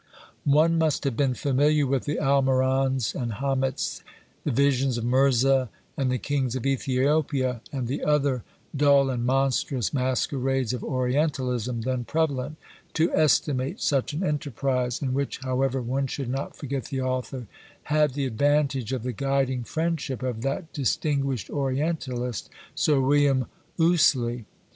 One must have been familiar with the Almorans and Hamets, the Visions of Mirza and the kings of Ethiopia, and the other dull and monstrous masquerades of Orientalism then prevalent, to estimate such an enterprise, in which, however, one should not forget the author had the advantage of the guiding friendship of that distinguished Orientalist, Sir William Ouseley.